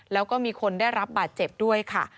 แล้วก็มีคนได้รับบาดเจ็บด้วยค่ะ